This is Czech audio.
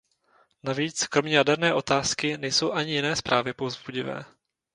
Navíc, kromě jaderné otázky, nejsou ani jiné zprávy povzbudivé.